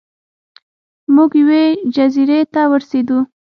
موږ یوې جزیرې ته ورسیدو.